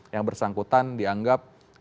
yang bersangkutan dianggap